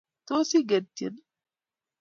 Tos ingen tyeni?